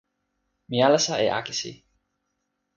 mi alasa e akesi.